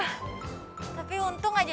aku bisa berhubung denganmu